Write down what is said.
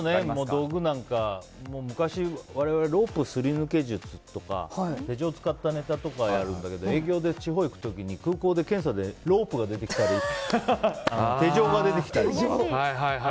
道具なんか昔、我々ロープすり抜け術とか手錠を使ったネタとかやるんだけど空港で、検査でロープが出てきたり手錠が出てきたり。